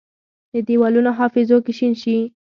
د دیوالونو حافظو کې شین شي،